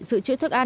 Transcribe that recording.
giữ chữ thức ăn